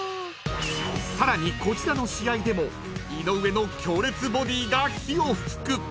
［さらにこちらの試合でも井上の強烈ボディーが火を噴く］